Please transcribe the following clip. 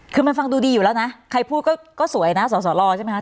คือมันฟังดูดีอยู่แล้วนะใครพูดก็สวยนะสอสอรอใช่ไหมคะ